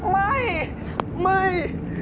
ไม่ไม่